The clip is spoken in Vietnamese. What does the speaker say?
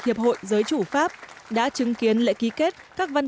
hiệp hội giới chủ pháp đã chứng kiến lệ ký kết các văn ký